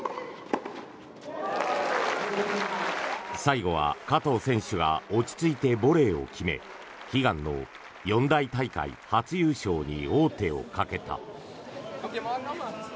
最後は加藤選手が落ち着いてボレーを決め悲願の四大大会初優勝に王手をかけた。